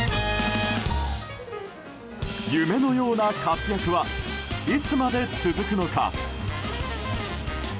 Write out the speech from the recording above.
夢のような活躍はいつまで続くのか。